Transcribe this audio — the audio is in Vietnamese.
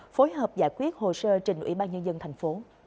phối hợp giải quyết hồ sơ trình ủy ban nhân dân tp